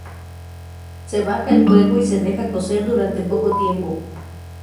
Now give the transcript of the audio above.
Se baja el fuego y se deja cocer durante poco tiempo.